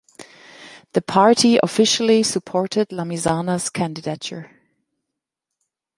The party officially supported Lamizana's candidature.